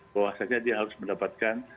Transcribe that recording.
bahwasanya dia harus mendapatkan